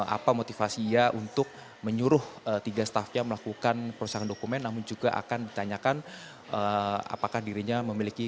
apa motivasi ia untuk menyuruh tiga staffnya melakukan perusahaan dokumen namun juga akan ditanyakan apakah dirinya memiliki